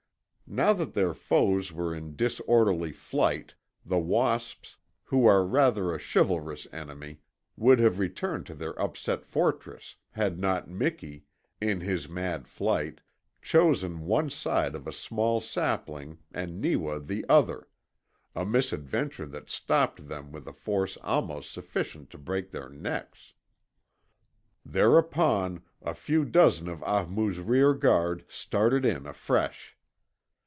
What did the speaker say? Now that their foes were in disorderly flight the wasps, who are rather a chivalrous enemy, would have returned to their upset fortress had not Miki, in his mad flight, chosen one side of a small sapling and Neewa the other a misadventure that stopped them with a force almost sufficient to break their necks. Thereupon a few dozen of Ahmoo's rear guard started in afresh.